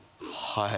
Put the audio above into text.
はい。